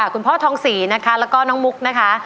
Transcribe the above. คุณพ่อทองศรีนะคะแล้วก็น้องมุกนะคะ